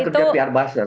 kerja pr baser